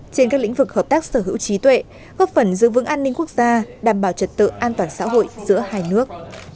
trên các lĩnh vực hợp tác sở hữu trí tuệ góp phần giữ vững an ninh quốc gia đảm bảo trật tự an toàn xã hội giữa hai nước